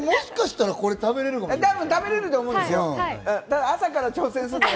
もしかしたら、これ食べられるかもしれませんよ。